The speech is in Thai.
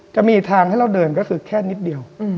จะมีทางให้เราเดินก็คือแค่นิดเดียว